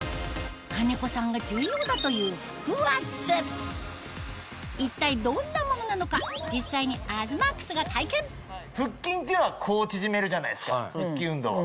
兼子さんが重要だという一体どんなものなのか実際に腹筋っていうのはこう縮めるじゃないですか腹筋運動は。